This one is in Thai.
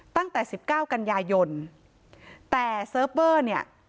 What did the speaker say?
ตั้งแต่สิบเก้ากันยายนแต่เซิร์ฟเวอร์เนี่ย